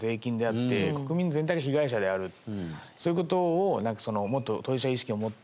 そういうことをもっと。